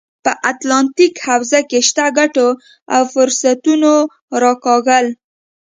په اتلانتیک حوزه کې شته ګټو او فرصتونو راکاږل.